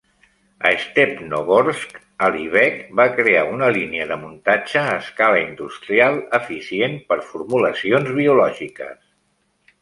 A Stepnogorsk, Alibek va crear una línia de muntatge a escala industrial eficient per formulacions biològiques.